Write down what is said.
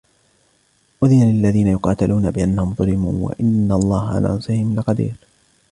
أُذِنَ لِلَّذِينَ يُقَاتَلُونَ بِأَنَّهُمْ ظُلِمُوا وَإِنَّ اللَّهَ عَلَى نَصْرِهِمْ لَقَدِيرٌ